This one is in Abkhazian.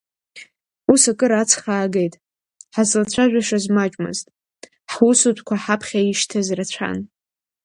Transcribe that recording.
Ус акыр аҵх аагеит, ҳазлацәажәашаз маҷмызт, ҳусутәқәа ҳаԥхьа ишьҭаз рацәан.